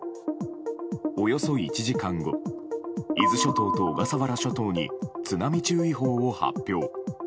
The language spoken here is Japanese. およそ１時間後、伊豆諸島と小笠原諸島に津波注意報を発表。